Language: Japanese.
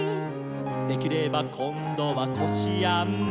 「できればこんどはこしあんの」